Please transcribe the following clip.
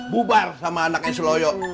bubar sama anaknya seloyo